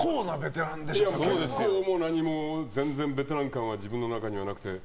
結構も何も全然ベテラン感は自分にはなくて。